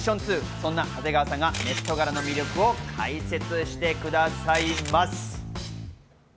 そんな長谷川さんがＭＥＴガラの魅力を解説してくださいます。